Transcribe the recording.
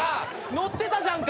乗ってたじゃんか。